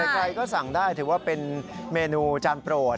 ใครก็สั่งได้ถือว่าเป็นเมนูจานโปรด